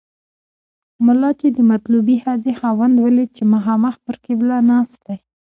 ملا چې د مطلوبې ښځې خاوند ولید چې مخامخ پر قبله ناست دی.